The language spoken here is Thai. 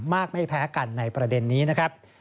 ไม่แพ้กันในประเด็นนี้นะครับ